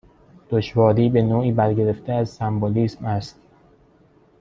دشواری به نوعی برگرفته از سمبولیسم است